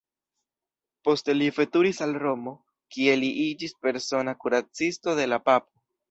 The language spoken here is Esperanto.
Poste li veturis al Romo, kie li iĝis persona kuracisto de la Papo.